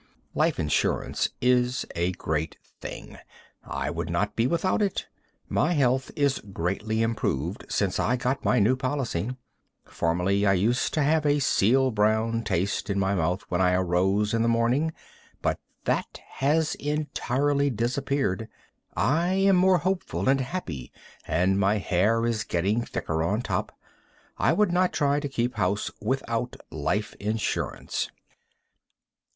Life insurance is a great thing. I would not be without it. My health is greatly improved since I got my new policy. Formerly I used to have a seal brown taste in my mouth when I arose in the morning, but that has entirely disappeared. I am more hopeful and happy, and my hair is getting thicker on top. I would not try to keep house without life insurance.